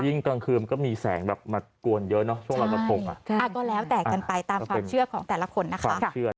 ยิ่งกลางคืนก็มีแสงมัดกวนเยอะเท่าก็แล้วแต่งกันไปตามความเชื่อของแต่ละคนนะค่ะ